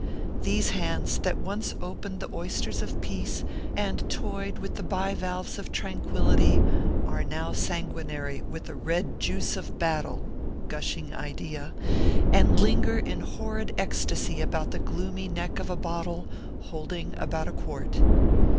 These hands, that once opened the oysters of peace and toyed with the bivalves of tranquillity, are now sanguinary with the red juice of battle (gushing idea !), and linger in horrid ecstacy about the gloomy neck of a bottle holding about a quart.